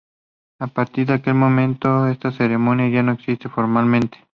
A partir de aquel momento esta ceremonia ya no existe, formalmente.